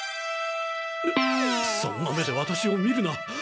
そんな目でワタシを見るな！